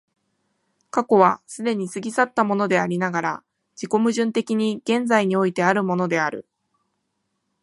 過去は既に過ぎ去ったものでありながら、自己矛盾的に現在においてあるものである。